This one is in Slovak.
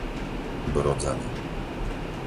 Brodzany